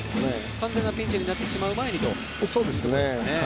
完全なピンチになってしまう前にと。